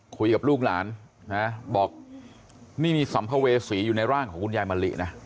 คุยกับลูกหลานนะบอกนี่มีสัมภเวษีอยู่ในร่างของคุณยายมะลินะ